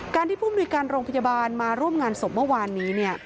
การที่ภูมิหน่วยการโรงพยาบาลมาร่วมงานศพเมื่อวานนี้เนี่ย